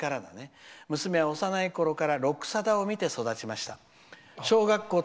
娘は幼いころから録さだを見て育ちました」。